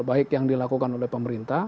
baik yang dilakukan oleh pemerintah